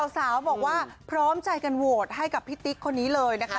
สาวบอกว่าพร้อมใจกันโหวตให้กับพี่ติ๊กคนนี้เลยนะคะ